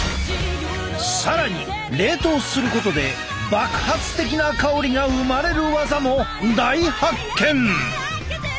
更に冷凍することで爆発的な香りが生まれるワザも大発見！